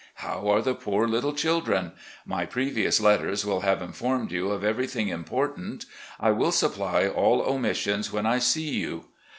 How are the poor little children? My previous letters will have informed you of ever3d;hing important. I will supply all omissions when I see you.